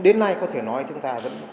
đến nay có thể nói chúng ta vẫn